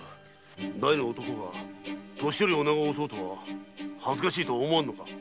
大の男が年寄り・女子を襲うとは恥ずかしいとは思わんのか。